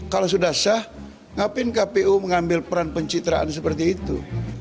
kalau sudah sah ngapain kpu mengambil peran pencitraan seperti itu